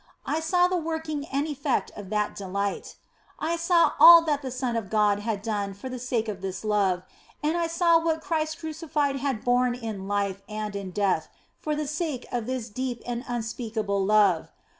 I saw the working and OF FOLIGNO 207 effect of that delight ; I saw all that the Son of God had done for the sake of this love, and I saw what Christ Cruci fied had borne in life and in death for the sake of this deep and unspeakable love.